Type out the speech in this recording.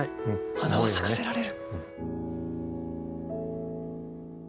花は咲かせられる。